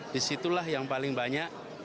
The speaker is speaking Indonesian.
disitulah yang paling banyak